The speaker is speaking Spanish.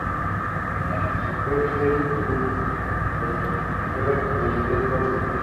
Ofrece series y telefilmes de ficción, telenovelas y producción propia.